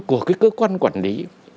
của cái cơ quan quản lý